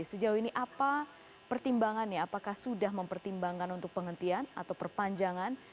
sejauh ini apa pertimbangannya apakah sudah mempertimbangkan untuk penghentian atau perpanjangan